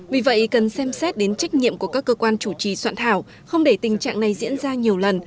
vì vậy cần xem xét đến trách nhiệm của các cơ quan chủ trì soạn thảo không để tình trạng này diễn ra nhiều lần